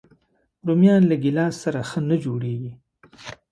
رومیان له ګیلاس سره ښه نه جوړيږي